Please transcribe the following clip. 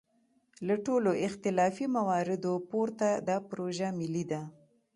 له ټولو اختلافي مواردو پورته دا پروژه ملي ده.